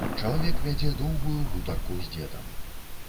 Чалавек вядзе доўгую гутарку з дзедам.